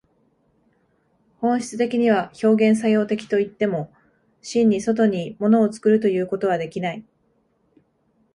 本質的には表現作用的といっても、真に外に物を作るということはできない。